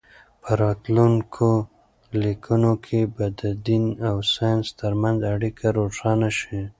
په راتلونکو لیکنو کې به د دین او ساینس ترمنځ اړیکه روښانه شي.